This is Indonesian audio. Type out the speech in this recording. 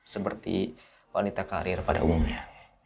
seperti wanita karir pada umumnya